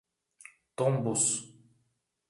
Tombos